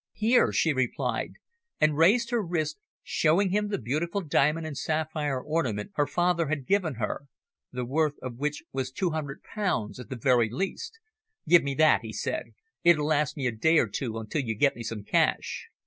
"Here," she replied, and raised her wrist, showing him the beautiful diamond and sapphire ornament her father had given her, the worth of which was two hundred pounds at the very least. "Give me that," he said. "It'll last me a day or two until you get me some cash."